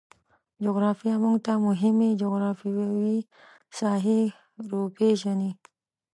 جغرافیه موږ ته مهمې جغرفیاوې ساحې روپیژني